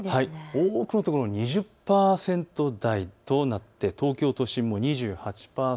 多くの所、２０％台となって東京都心も２８％。